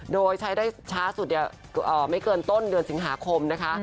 โดยใช้ได้ช้าสุดไม่เกินต้นเดือนสิงหาคมนะคะ